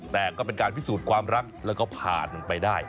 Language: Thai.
แต่ก็เป็นการพิสูจน์ความรักแล้วก็ผ่านไปได้